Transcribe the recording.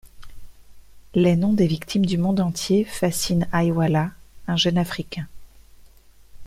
Les noms des victimes du monde entier fascinent Aiwala, un jeune Africain.